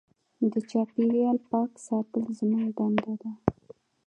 د چاپېریال پاک ساتل زموږ دنده ده.